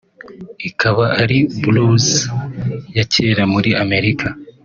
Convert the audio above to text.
ikaba ari blues ya cyera muri Amerika